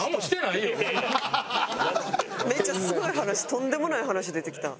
めっちゃすごい話とんでもない話出てきた。